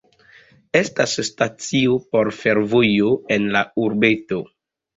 Estas stacio por fervojo en la urbeto.